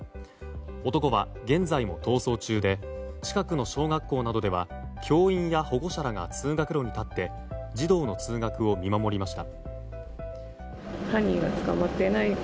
男は、現在も逃走中で近くの小学校などでは教員や保護者らが通学路に立って児童の通学を見守りました。